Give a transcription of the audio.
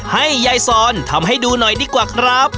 ให้ยายซอนทำให้ดูหน่อยดีกว่าครับ